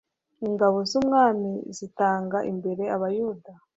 ingabo z'umwami zitanga imbere abayahudi